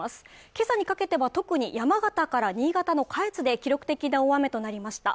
今朝にかけては特に山形から新潟の下越で記録的な大雨となりました